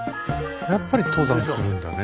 やっぱり登山するんだねえ